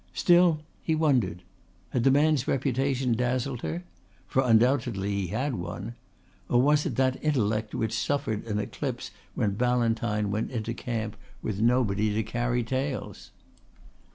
Still he wondered. Had the man's reputation dazzled her? for undoubtedly he had one; or was it that intellect which suffered an eclipse when Ballantyne went into camp with nobody to carry tales?